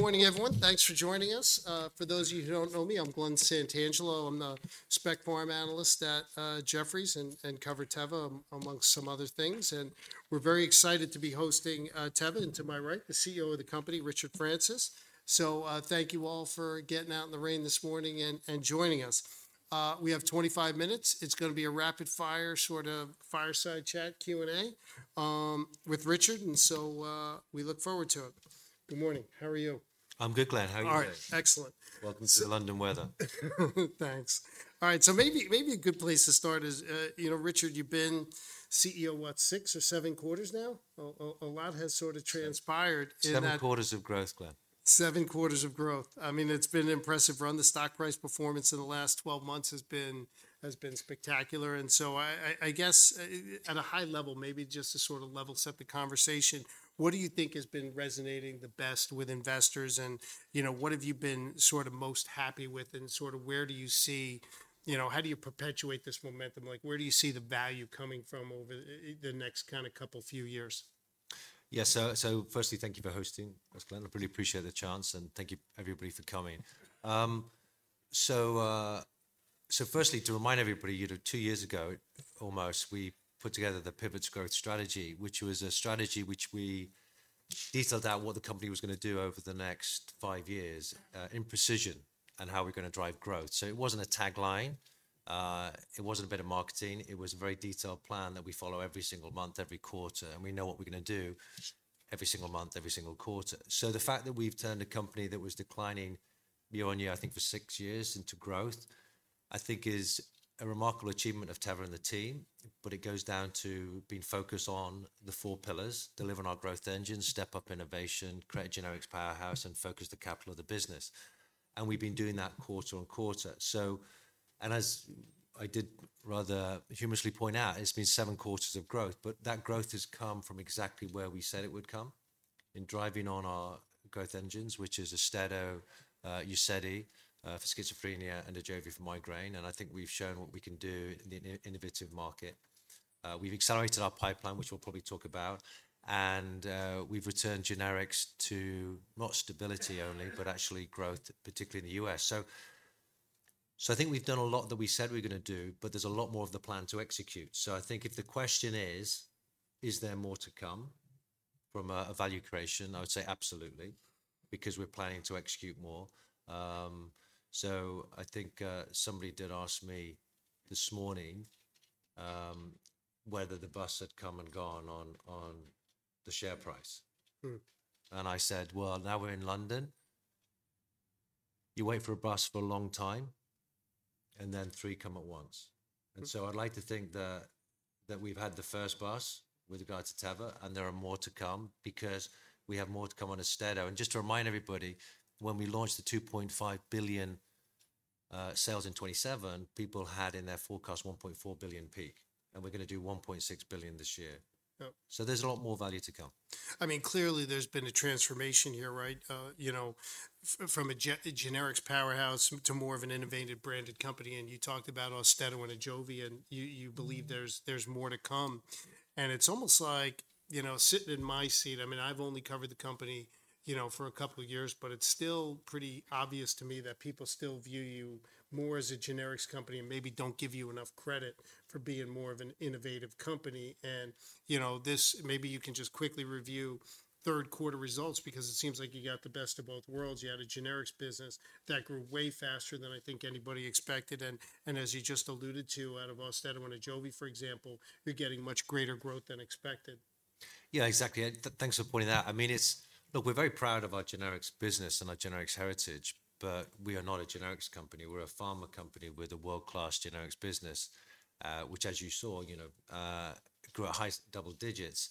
Good morning, everyone. Thanks for joining us. For those of you who don't know me, I'm Glen Santangelo. I'm the Spec Pharm analyst at Jefferies and cover Teva amongst some other things, and we're very excited to be hosting Teva, and to my right, the CEO of the company, Richard Francis. So thank you all for getting out in the rain this morning and joining us. We have 25 minutes. It's going to be a rapid-fire, sort of fireside chat, Q&A with Richard, and so we look forward to it. Good morning. How are you? I'm good, Glen. How are you today? All right. Excellent. Welcome to the London weather. Thanks. All right. So maybe a good place to start is, you know, Richard, you've been CEO, what, six or seven quarters now? A lot has sort of transpired in that. Seven quarters of growth, Glen. Seven quarters of growth. I mean, it's been an impressive run. The stock price performance in the last 12 months has been spectacular. And so I guess at a high level, maybe just to sort of level set the conversation, what do you think has been resonating the best with investors? And what have you been sort of most happy with? And sort of where do you see, you know, how do you perpetuate this momentum? Like, where do you see the value coming from over the next kind of couple few years? Yeah. So firstly, thank you for hosting us, Glen. I really appreciate the chance, and thank you, everybody, for coming. So firstly, to remind everybody, you know, two years ago almost, we put together the Pivot to Growth Strategy, which was a strategy which we detailed out what the company was going to do over the next five years in precision and how we're going to drive growth. So it wasn't a tagline. It wasn't a bit of marketing. It was a very detailed plan that we follow every single month, every quarter. And we know what we're going to do every single month, every single quarter. So the fact that we've turned a company that was declining year on year, I think, for six years into growth, I think is a remarkable achievement of Teva and the team. But it goes down to being focused on the four pillars: delivering our growth engine, step up innovation, create a generic powerhouse, and focus the capital of the business. And we've been doing that quarter on quarter. So, and as I did rather humorously point out, it's been seven quarters of growth. But that growth has come from exactly where we said it would come in driving on our growth engines, which is Austedo, Uzedy for schizophrenia, and Ajovy for migraine. And I think we've shown what we can do in the innovative market. We've accelerated our pipeline, which we'll probably talk about. And we've returned generics to not stability only, but actually growth, particularly in the U.S. So I think we've done a lot that we said we're going to do, but there's a lot more of the plan to execute. So I think if the question is, is there more to come from a value creation, I would say absolutely, because we're planning to execute more. So I think somebody did ask me this morning whether the bus had come and gone on the share price. And I said, well, now we're in London. You wait for a bus for a long time, and then three come at once. And so I'd like to think that we've had the first bus with regard to Teva, and there are more to come because we have more to come on Austedo. And just to remind everybody, when we launched the $2.5 billion sales in 2027, people had in their forecast $1.4 billion peak. And we're going to do $1.6 billion this year. So there's a lot more value to come. I mean, clearly, there's been a transformation here, right? You know, from a generics powerhouse to more of an innovative, branded company. And you talked about Austedo and Ajovy, and you believe there's more to come. And it's almost like, you know, sitting in my seat, I mean, I've only covered the company, you know, for a couple of years, but it's still pretty obvious to me that people still view you more as a generics company and maybe don't give you enough credit for being more of an innovative company. And, you know, this maybe you can just quickly review third quarter results because it seems like you got the best of both worlds. You had a generics business that grew way faster than I think anybody expected. And as you just alluded to, out of Austedo and Ajovy, for example, you're getting much greater growth than expected. Yeah, exactly. Thanks for pointing that out. I mean, it's, look, we're very proud of our generics business and our generics heritage, but we are not a generics company. We're a pharma company with a world-class generics business, which, as you saw, you know, grew at high double digits,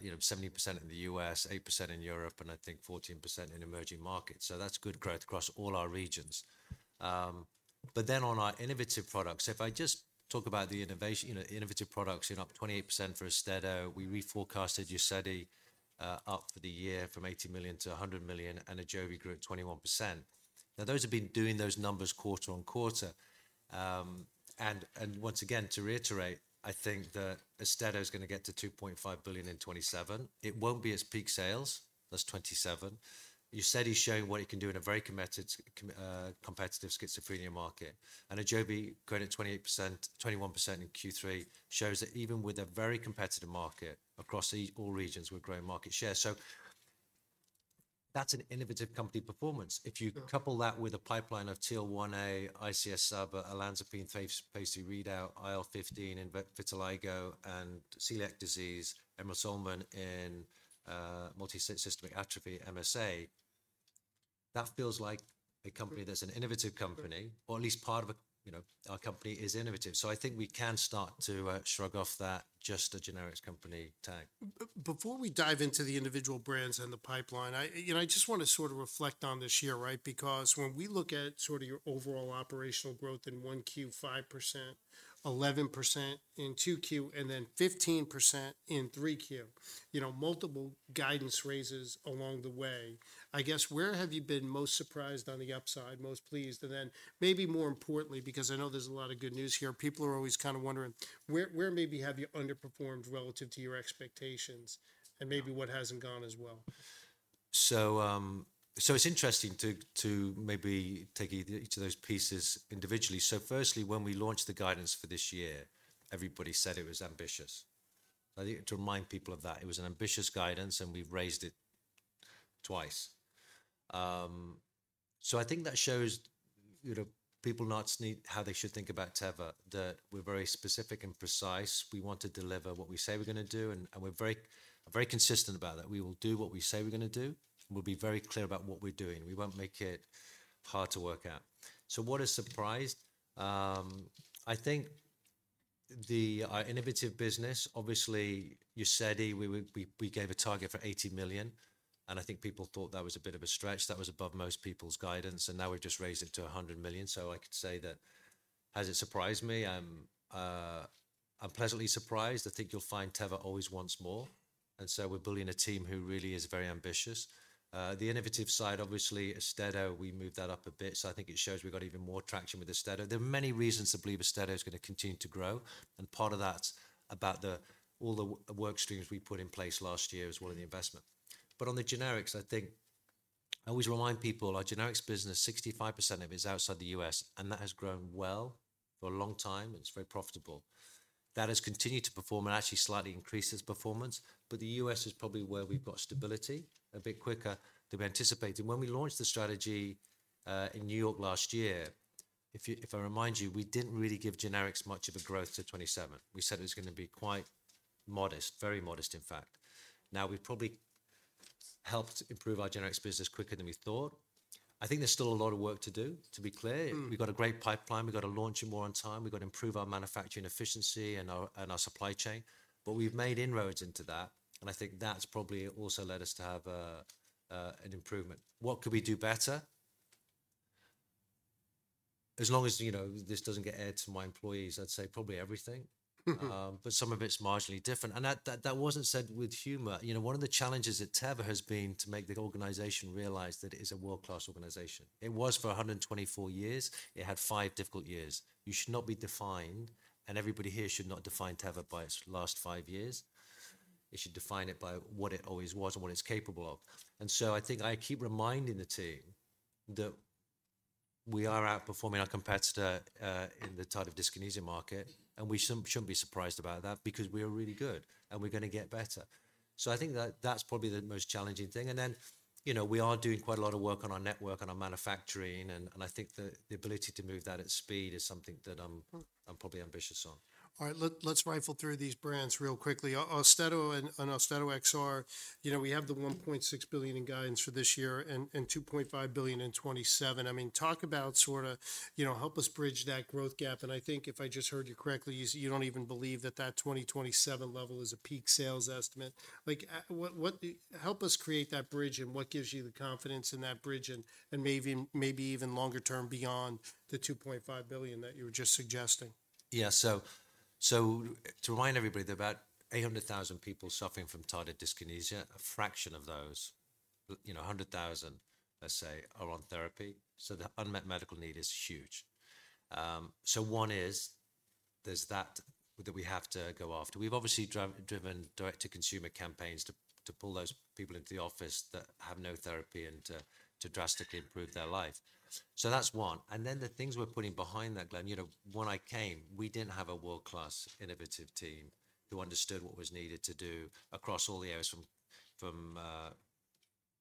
you know, 70% in the U.S., 8% in Europe, and I think 14% in emerging markets. So that's good growth across all our regions. But then on our innovative products, if I just talk about the innovation, you know, innovative products, you know, up 28% for Austedo. We reforecasted Uzedy up for the year from $80 million-$100 million, and Ajovy grew at 21%. Now, those have been doing those numbers quarter on quarter. And once again, to reiterate, I think that Austedo is going to get to $2.5 billion in 2027. It won't be its peak sales. That's 2027. Uzedy is showing what it can do in a very competitive schizophrenia market, and Ajovy growing at 21% in Q3 shows that even with a very competitive market across all regions, we're growing market share, so that's an innovative company performance. If you couple that with a pipeline of TL1A, ICS/SABA, olanzapine Phase II readout, IL-15 in vitiligo, and celiac disease, Emrusolmin in multiple system atrophy, MSA, that feels like a company that's an innovative company, or at least part of a, you know, our company is innovative, so I think we can start to shrug off that just a generics company tag. Before we dive into the individual brands and the pipeline, I, you know, I just want to sort of reflect on this year, right? Because when we look at sort of your overall operational growth in 1Q, 5%, 11% in 2Q, and then 15% in 3Q, you know, multiple guidance raises along the way, I guess, where have you been most surprised on the upside, most pleased? And then maybe more importantly, because I know there's a lot of good news here, people are always kind of wondering where maybe have you underperformed relative to your expectations and maybe what hasn't gone as well? So it's interesting to maybe take each of those pieces individually. So firstly, when we launched the guidance for this year, everybody said it was ambitious. I think to remind people of that, it was an ambitious guidance, and we've raised it twice. So I think that shows, you know, people not how they should think about Teva, that we're very specific and precise. We want to deliver what we say we're going to do, and we're very consistent about that. We will do what we say we're going to do. We'll be very clear about what we're doing. We won't make it hard to work out. So what has surprised? I think our innovative business, obviously, Uzedy, we gave a target for $80 million. And I think people thought that was a bit of a stretch. That was above most people's guidance. And now we've just raised it to $100 million. So I could say that hasn't surprised me. I'm pleasantly surprised. I think you'll find Teva always wants more. And so we're building a team who really is very ambitious. The innovative side, obviously, Austedo, we moved that up a bit. So I think it shows we've got even more traction with Austedo. There are many reasons to believe Austedo is going to continue to grow. And part of that's about all the work streams we put in place last year as well in the investment. But on the generics, I think I always remind people our generics business, 65% of it is outside the U.S., and that has grown well for a long time, and it's very profitable. That has continued to perform and actually slightly increased its performance. But the U.S. is probably where we've got stability a bit quicker than we anticipated. When we launched the strategy in New York last year, if I remind you, we didn't really give generics much of a growth to 2027. We said it was going to be quite modest, very modest, in fact. Now, we've probably helped improve our generics business quicker than we thought. I think there's still a lot of work to do, to be clear. We've got a great pipeline. We've got to launch it more on time. We've got to improve our manufacturing efficiency and our supply chain. But we've made inroads into that. And I think that's probably also led us to have an improvement. What could we do better? As long as, you know, this doesn't get aired to my employees, I'd say probably everything. But some of it's marginally different. That wasn't said with humor. You know, one of the challenges that Teva has been to make the organization realize that it is a world-class organization. It was for 124 years. It had five difficult years. You should not be defined, and everybody here should not define Teva by its last five years. It should define it by what it always was and what it's capable of. I think I keep reminding the team that we are outperforming our competitor in the tardive dyskinesia market, and we shouldn't be surprised about that because we are really good, and we're going to get better. I think that that's probably the most challenging thing, and then, you know, we are doing quite a lot of work on our network and our manufacturing. I think the ability to move that at speed is something that I'm probably ambitious on. All right. Let's rifle through these brands real quickly. Austedo and Austedo XR, you know, we have the $1.6 billion in guidance for this year and $2.5 billion in 2027. I mean, talk about sort of, you know, help us bridge that growth gap. And I think if I just heard you correctly, you don't even believe that that 2027 level is a peak sales estimate. Like, help us create that bridge, and what gives you the confidence in that bridge and maybe even longer term beyond the $2.5 billion that you were just suggesting? Yeah. So to remind everybody, there are about 800,000 people suffering from tardive dyskinesia. A fraction of those, you know, 100,000, let's say, are on therapy. So the unmet medical need is huge. So one is there's that that we have to go after. We've obviously driven direct-to-consumer campaigns to pull those people into the office that have no therapy and to drastically improve their life. So that's one. And then the things we're putting behind that, Glen, you know, when I came, we didn't have a world-class innovative team who understood what was needed to do across all the areas from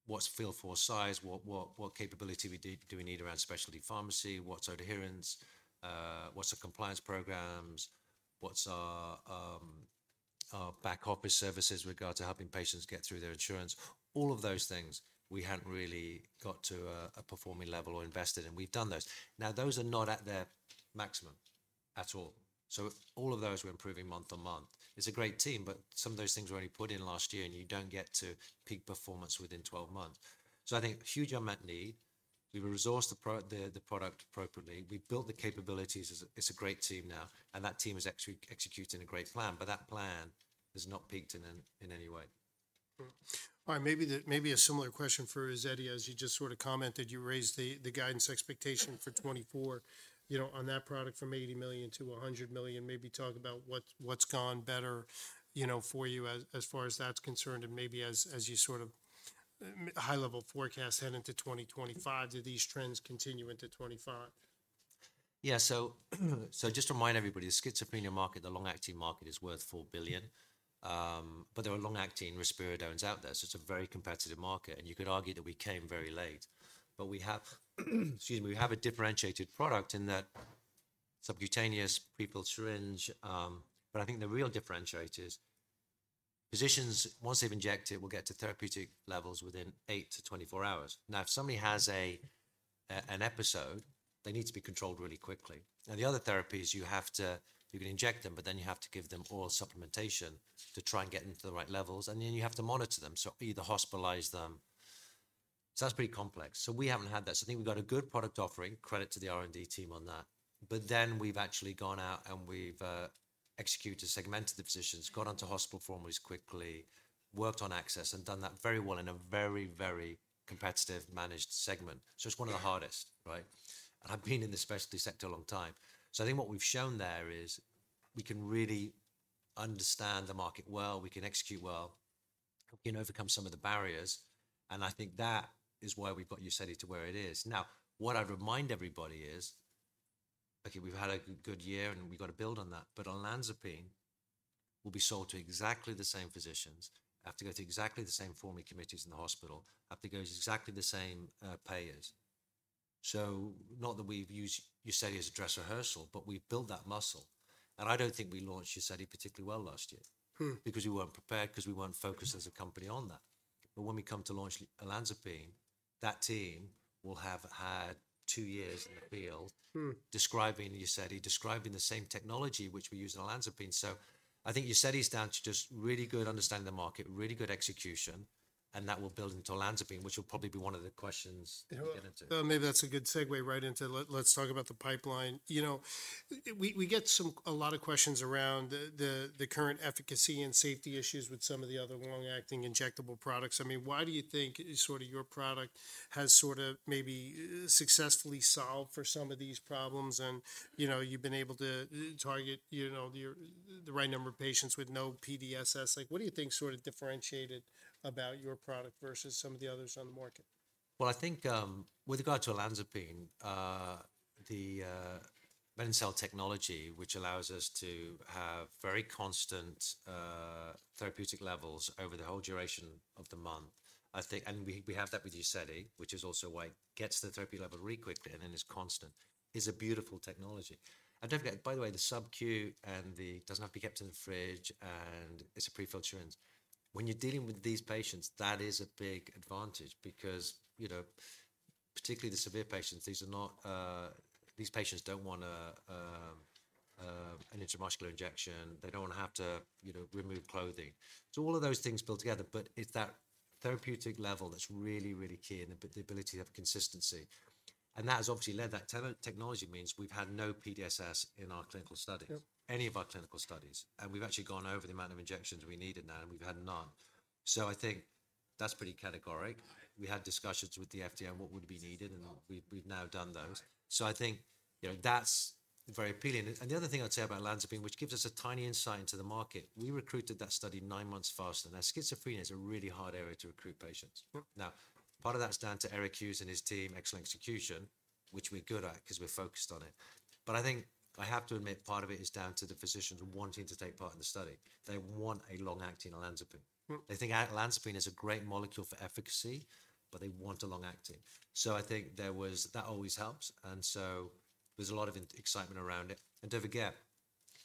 what's field force size, what capability do we need around specialty pharmacy, what's adherence, what's our compliance programs, what's our back office services with regard to helping patients get through their insurance. All of those things, we hadn't really got to a performing level or invested in. We've done those. Now, those are not at their maximum at all. So all of those we're improving month on month. It's a great team, but some of those things were only put in last year, and you don't get to peak performance within 12 months. So I think huge unmet need. We've resourced the product appropriately. We've built the capabilities. It's a great team now. And that team is executing a great plan. But that plan has not peaked in any way. All right. Maybe a similar question for Uzedy, as you just sort of commented, you raised the guidance expectation for 2024, you know, on that product from $80 million-$100 million. Maybe talk about what's gone better, you know, for you as far as that's concerned and maybe as you sort of high-level forecast heading into 2025. Do these trends continue into 2025? Yeah. So just to remind everybody, the schizophrenia market, the long-acting market is worth $4 billion. But there are long-acting risperidones out there. So it's a very competitive market. And you could argue that we came very late. But we have, excuse me, we have a differentiated product in that subcutaneous pre-filled syringe. But I think the real differentiator is physicians, once they've injected it, will get to therapeutic levels within eight to 24 hours. Now, if somebody has an episode, they need to be controlled really quickly. And the other therapies, you have to, you can inject them, but then you have to give them oral supplementation to try and get them to the right levels. And then you have to monitor them. So either hospitalize them. So that's pretty complex. So we haven't had that. So I think we've got a good product offering, credit to the R&D team on that. But then we've actually gone out and we've executed, segmented the physicians, gone on to hospital formularies quickly, worked on access, and done that very well in a very, very competitive managed segment. So it's one of the hardest, right? And I've been in the specialty sector a long time. So I think what we've shown there is we can really understand the market well. We can execute well. We can overcome some of the barriers. And I think that is why we've got Uzedy to where it is. Now, what I'd remind everybody is, okay, we've had a good year, and we've got to build on that. But olanzapine will be sold to exactly the same physicians. Have to go to exactly the same formulary committees in the hospital. Have to go to exactly the same payers. So not that we've used Uzedy as a dress rehearsal, but we've built that muscle. And I don't think we launched Uzedy particularly well last year because we weren't prepared, because we weren't focused as a company on that. But when we come to launch olanzapine, that team will have had two years in the field describing Uzedy, describing the same technology which we use in olanzapine. So I think Uzedy's down to just really good understanding the market, really good execution, and that will build into olanzapine, which will probably be one of the questions we'll get into. Maybe that's a good segue right into let's talk about the pipeline. You know, we get a lot of questions around the current efficacy and safety issues with some of the other long-acting injectable products. I mean, why do you think sort of your product has sort of maybe successfully solved for some of these problems? And, you know, you've been able to target, you know, the right number of patients with no PDSS. Like, what do you think sort of differentiated about your product versus some of the others on the market? I think with regard to olanzapine, the Medincell technology, which allows us to have very constant therapeutic levels over the whole duration of the month, I think, and we have that with Uzedy, which is also why it gets the therapy level really quickly and then is constant, is a beautiful technology. And don't forget, by the way, the subcu and the, doesn't have to be kept in the fridge and it's a pre-filled syringe. When you're dealing with these patients, that is a big advantage because, you know, particularly the severe patients, these are not, these patients don't want an intramuscular injection. They don't want to have to, you know, remove clothing. So all of those things built together, but it's that therapeutic level that's really, really key and the ability to have consistency. And that has obviously led to the technology meaning we've had no PDSS in our clinical studies, any of our clinical studies. And we've actually gone over the amount of injections we needed now, and we've had none. So I think that's pretty categorical. We had discussions with the FDA on what would be needed, and we've now done those. So I think, you know, that's very appealing. And the other thing I'd say about Olanzapine, which gives us a tiny insight into the market, is that we recruited that study nine months faster. Now, schizophrenia is a really hard area to recruit patients. Now, part of that's down to Eric Hughes and his team, excellent execution, which we're good at because we're focused on it. But I think I have to admit part of it is down to the physicians wanting to take part in the study. They want a long-acting olanzapine. They think olanzapine is a great molecule for efficacy, but they want a long-acting. So I think there was, that always helps. And so there's a lot of excitement around it. And don't forget,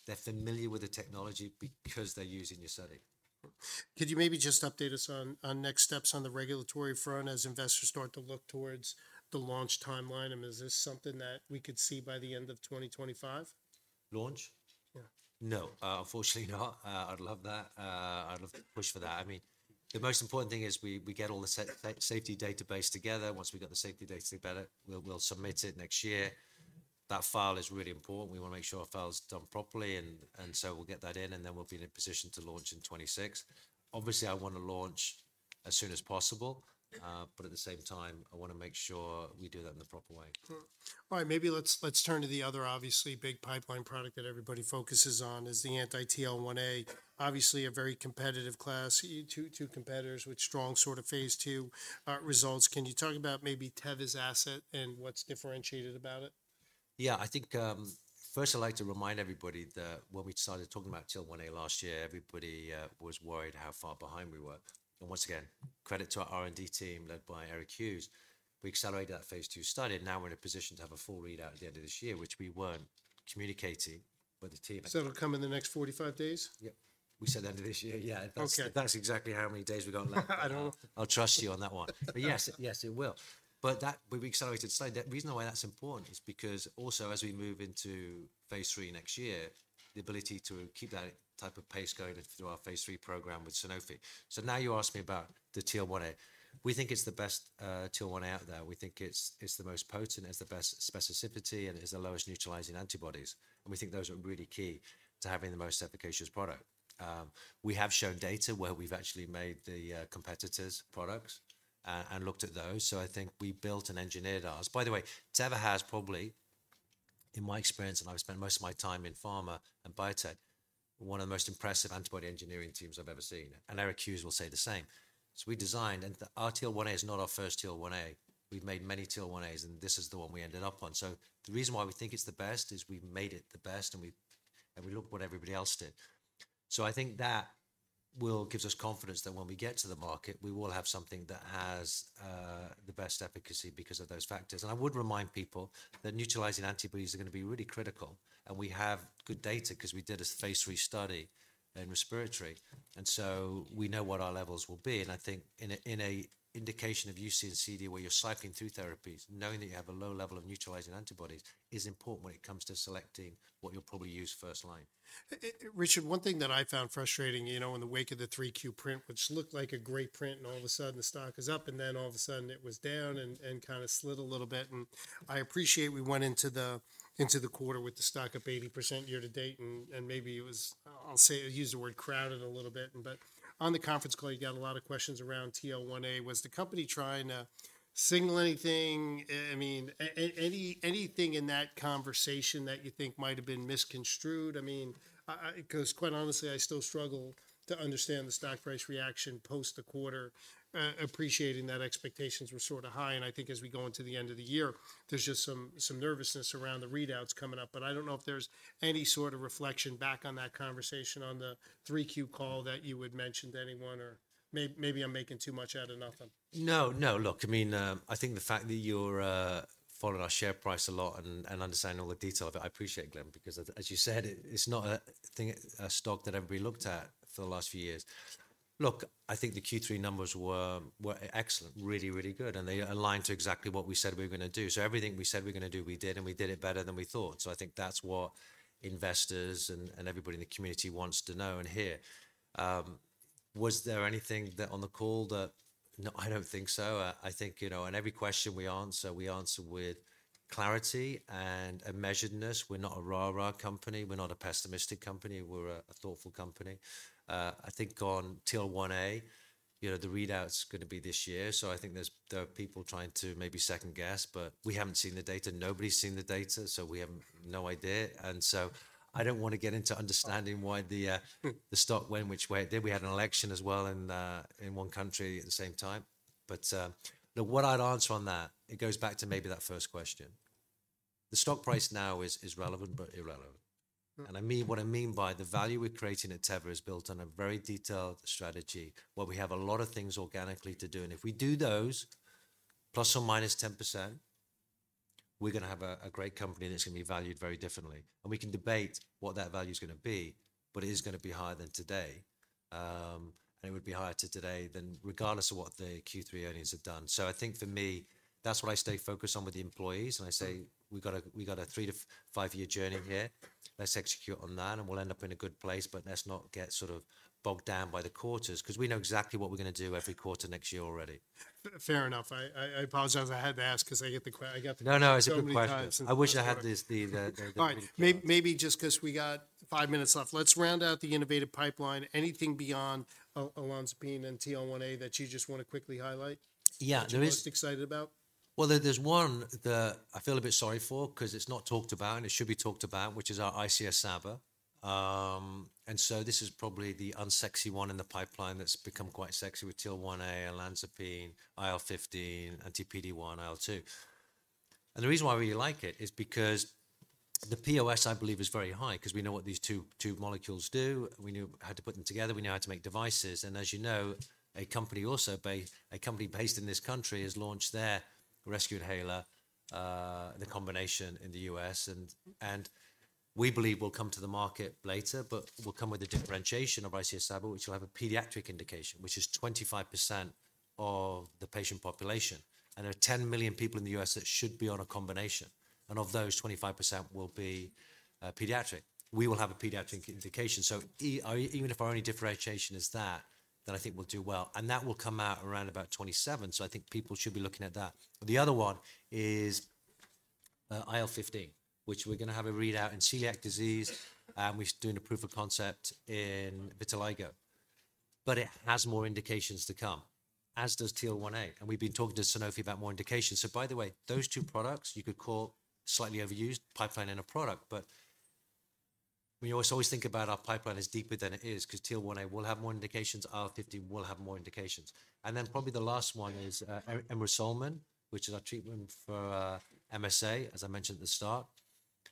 they're familiar with the technology because they're using Uzedy. Could you maybe just update us on next steps on the regulatory front as investors start to look towards the launch timeline? I mean, is this something that we could see by the end of 2025? Launch? Yeah. No, unfortunately not. I'd love that. I'd love to push for that. I mean, the most important thing is we get all the safety database together. Once we've got the safety database together, we'll submit it next year. That file is really important. We want to make sure our file is done properly. And so we'll get that in, and then we'll be in a position to launch in 2026. Obviously, I want to launch as soon as possible. But at the same time, I want to make sure we do that in the proper way. All right. Maybe let's turn to the other, obviously big pipeline product that everybody focuses on is the Anti-TL1A, obviously a very competitive class, two competitors with strong sort of phase two results. Can you talk about maybe Teva's asset and what's differentiated about it? Yeah, I think first I'd like to remind everybody that when we started talking about TL1A last year, everybody was worried how far behind we were. And once again, credit to our R&D team led by Eric Hughes. We accelerated that Phase II study. Now we're in a position to have a full readout at the end of this year, which we weren't communicating with the team. It'll come in the next 45 days? Yep. We said at the end of this year, yeah. That's exactly how many days we got left. I don't know. I'll trust you on that one. But yes, yes, it will. But that we've accelerated the study. The reason why that's important is because also as we move into phase three next year, the ability to keep that type of pace going through our phase three program with Sanofi. So now you asked me about the TL1A. We think it's the best TL1A out there. We think it's the most potent, it has the best specificity, and it has the lowest neutralizing antibodies. And we think those are really key to having the most efficacious product. We have shown data where we've actually made the competitors' products and looked at those. So I think we built and engineered ours. By the way, Teva has probably, in my experience, and I've spent most of my time in pharma and biotech, one of the most impressive antibody engineering teams I've ever seen. And Eric Hughes will say the same. So we designed, and our TL1A is not our first TL1A. We've made many TL1As, and this is the one we ended up on. So the reason why we think it's the best is we've made it the best, and we look at what everybody else did. So I think that will give us confidence that when we get to the market, we will have something that has the best efficacy because of those factors. And I would remind people that neutralizing antibodies are going to be really critical. And we have good data because we did a phase three study in respiratory. And so we know what our levels will be. I think in an indication of UC and CD where you're cycling through therapies, knowing that you have a low level of neutralizing antibodies is important when it comes to selecting what you'll probably use first line. Richard, one thing that I found frustrating, you know, in the wake of the three Q print, which looked like a great print, and all of a sudden the stock is up, and then all of a sudden it was down and kind of slid a little bit, and I appreciate we went into the quarter with the stock up 80% year to date, and maybe it was. I'll say, I'll use the word crowded a little bit, but on the conference call, you got a lot of questions around TL1A. Was the company trying to signal anything? I mean, anything in that conversation that you think might have been misconstrued? I mean, because quite honestly, I still struggle to understand the stock price reaction post the quarter, appreciating that expectations were sort of high. I think as we go into the end of the year, there's just some nervousness around the readouts coming up. I don't know if there's any sort of reflection back on that conversation on the 3Q call that you had mentioned to anyone, or maybe I'm making too much out of nothing. No, no. Look, I mean, I think the fact that you're following our share price a lot and understanding all the detail of it, I appreciate, Glen, because as you said, it's not a stock that everybody looked at for the last few years. Look, I think the Q3 numbers were excellent, really, really good. And they aligned to exactly what we said we were going to do. So everything we said we were going to do, we did. And we did it better than we thought. So I think that's what investors and everybody in the community wants to know and hear. Was there anything that on the call that, no, I don't think so. I think, you know, on every question we answer, we answer with clarity and a measuredness. We're not a rah-rah company. We're not a pessimistic company. We're a thoughtful company. I think on TL1A, you know, the readout's going to be this year. So I think there are people trying to maybe second guess, but we haven't seen the data. Nobody's seen the data. So we have no idea. And so I don't want to get into understanding why the stock went which way. Then we had an election as well in one country at the same time. But what I'd answer on that, it goes back to maybe that first question. The stock price now is relevant, but irrelevant. And I mean what I mean by the value we're creating at Teva is built on a very detailed strategy where we have a lot of things organically to do. And if we do those plus or minus 10%, we're going to have a great company that's going to be valued very differently. And we can debate what that value is going to be, but it is going to be higher than today. And it would be higher today than regardless of what the Q3 earnings have done. So I think for me, that's what I stay focused on with the employees. And I say, we've got a three to five year journey here. Let's execute on that. And we'll end up in a good place, but let's not get sort of bogged down by the quarters because we know exactly what we're going to do every quarter next year already. Fair enough. I apologize. I had to ask because I get the question. No, no, it's a good question. I wish I had the. Maybe just because we got five minutes left. Let's round out the innovative pipeline. Anything beyond olanzapine and TL1A that you just want to quickly highlight? Yeah. That you're most excited about? There's one that I feel a bit sorry for because it's not talked about, and it should be talked about, which is our ICS/SABA. And so this is probably the unsexy one in the pipeline that's become quite sexy with TL1A, olanzapine, IL-15, Anti-PD1-IL2. And the reason why I really like it is because the POS, I believe, is very high because we know what these two molecules do. We knew how to put them together. We knew how to make devices. And as you know, a company also based in this country has launched their rescue inhaler, the combination in the U.S. And we believe we'll come to the market later, but we'll come with a differentiation of ICS/SABA, which will have a pediatric indication, which is 25% of the patient population. There are 10 million people in the U.S. that should be on a combination. And of those, 25% will be pediatric. We will have a pediatric indication. So even if our only differentiation is that, then I think we'll do well. And that will come out around about 2027. So I think people should be looking at that. The other one is IL-15, which we're going to have a readout in celiac disease. And we're doing a proof of concept in vitiligo. But it has more indications to come, as does TL1A. And we've been talking to Sanofi about more indications. So by the way, those two products you could call slightly overused pipeline in a product. But we always think about our pipeline as deeper than it is because TL1A will have more indications. IL-15 will have more indications. And then probably the last one is Emrusolmin, which is our treatment for MSA, as I mentioned at the start.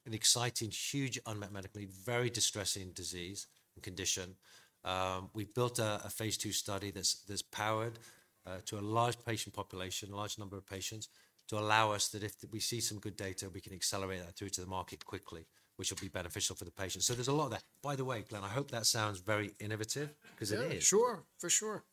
An exciting, huge unmet medical need, very distressing disease and condition. We've built a phase II study that's powered to a large patient population, a large number of patients, to allow us that if we see some good data, we can accelerate that through to the market quickly, which will be beneficial for the patient. So there's a lot there. By the way, Glen, I hope that sounds very innovative because it is. Yeah, sure, for sure.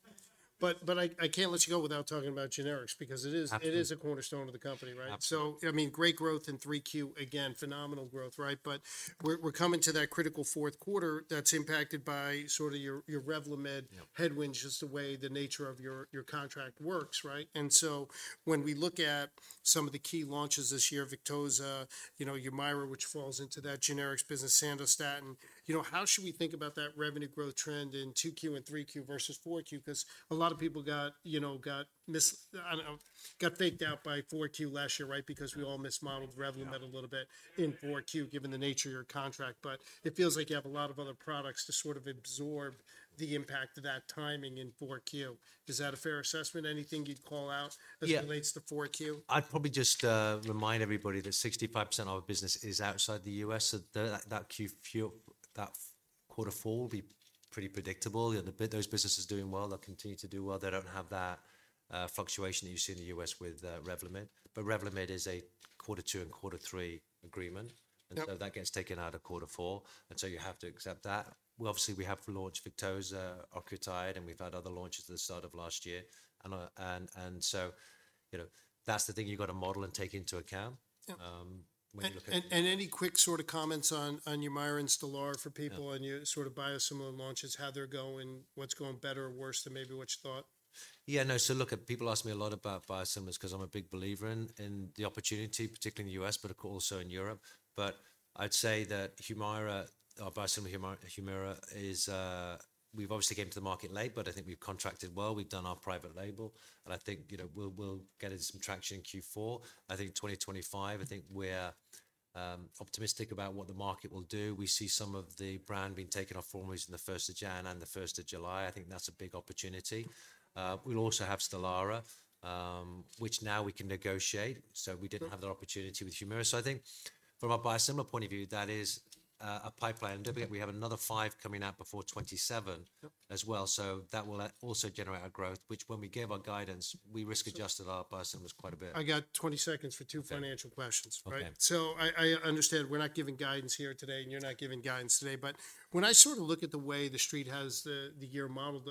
But I can't let you go without talking about generics because it is a cornerstone of the company, right? So I mean, great growth in 3Q, again, phenomenal growth, right? But we're coming to that critical fourth quarter that's impacted by sort of your Revlimid headwinds, just the way the nature of your contract works, right? And so when we look at some of the key launches this year, Victoza, you know, Humira, which falls into that generics business, Sandostatin, you know, how should we think about that revenue growth trend in 2Q and 3Q versus 4Q? Because a lot of people got, you know, got faked out by 4Q last year, right? Because we all mismodeled Revlimid a little bit in 4Q, given the nature of your contract. But it feels like you have a lot of other products to sort of absorb the impact of that timing in 4Q. Is that a fair assessment? Anything you'd call out as it relates to 4Q? I'd probably just remind everybody that 65% of our business is outside the U.S., so that quarter four will be pretty predictable. Those businesses doing well, they'll continue to do well. They don't have that fluctuation that you see in the U.S. with Revlimid, but Revlimid is a quarter two and quarter three agreement, and so that gets taken out of quarter four, and so you have to accept that. Obviously, we have launched Victoza, octreotide, and we've had other launches at the start of last year, and so, you know, that's the thing you've got to model and take into account. Any quick sort of comments on Humira and Stelara for people on your sort of biosimilar launches, how they're going, what's going better or worse than maybe what you thought? Yeah, no, so look, people ask me a lot about biosimilars because I'm a big believer in the opportunity, particularly in the U.S., but also in Europe. But I'd say that Humira, our biosimilar Humira, we've obviously came to the market late, but I think we've contracted well. We've done our private label. And I think, you know, we'll get into some traction in Q4. I think 2025, I think we're optimistic about what the market will do. We see some of the brand being taken off formularies in the first of January and the first of July. I think that's a big opportunity. We'll also have Stelara, which now we can negotiate. So we didn't have that opportunity with Humira. So I think from a biosimilar point of view, that is a pipeline. We have another five coming out before 2027 as well. So that will also generate our growth, which when we gave our guidance, we risk adjusted our biosimilars quite a bit. I got 20 seconds for two financial questions, right, so I understand we're not giving guidance here today and you're not giving guidance today, but when I sort of look at the way the street has the year modeled,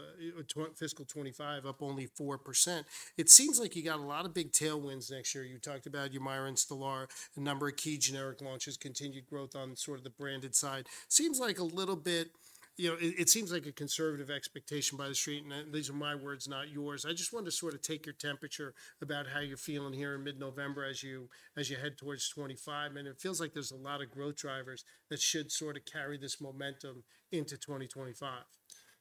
fiscal 2025 up only 4%, it seems like you got a lot of big tailwinds next year. You talked about Humira and Stelara, a number of key generic launches, continued growth on sort of the branded side. Seems like a little bit, you know, it seems like a conservative expectation by the street, and these are my words, not yours. I just want to sort of take your temperature about how you're feeling here in mid-November as you head towards 2025, and it feels like there's a lot of growth drivers that should sort of carry this momentum into 2025.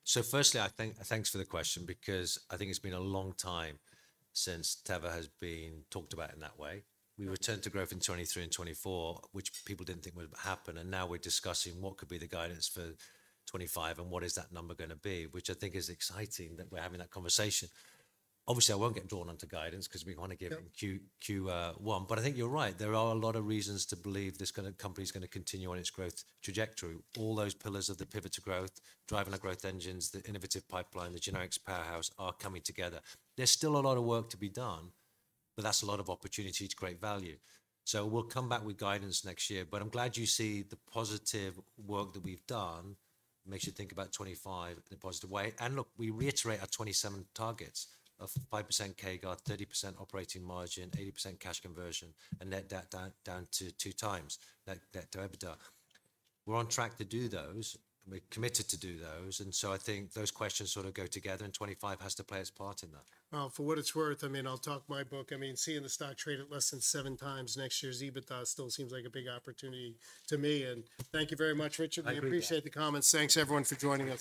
So, firstly, I think thanks for the question because I think it's been a long time since Teva has been talked about in that way. We returned to growth in 2023 and 2024, which people didn't think would happen. And now we're discussing what could be the guidance for 2025 and what is that number going to be, which I think is exciting that we're having that conversation. Obviously, I won't get drawn into guidance because we want to give Q1. But I think you're right. There are a lot of reasons to believe this company is going to continue on its growth trajectory. All those pillars of the Pivot to Growth, driving our growth engines, the innovative pipeline, the generics powerhouse are coming together. There's still a lot of work to be done, but that's a lot of opportunity to create great value. We'll come back with guidance next year. But I'm glad you see the positive work that we've done. Makes you think about 2025 in a positive way. And look, we reiterate our 2027 targets of 5% CAGR, 30% operating margin, 80% cash conversion, and net debt down to two times net EBITDA. We're on track to do those. We're committed to do those. And so I think those questions sort of go together. And 2025 has to play its part in that. For what it's worth, I mean, I'll talk my book. I mean, seeing the stock trade at less than seven times next year's EBITDA still seems like a big opportunity to me. Thank you very much, Richard. We appreciate the comments. Thanks, everyone, for joining us.